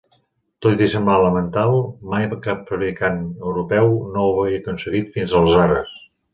Tot i semblar elemental, mai cap fabricant europeu no ho havia aconseguit fins aleshores.